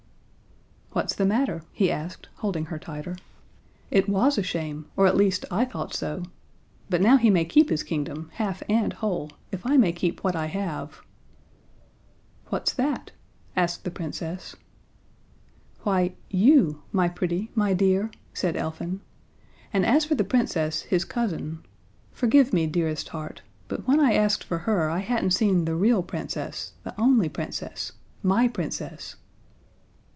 "What's the matter?" he asked, holding her tighter. "It was a shame, or at least I thought so. But now he may keep his kingdom, half and whole, if I may keep what I have." "What's that?" asked the Princess. "Why, you my pretty, my dear," said Elfin, "and as for the Princess, his cousin forgive me, dearest heart, but when I asked for her I hadn't seen the real Princess, the only Princess, my Princess."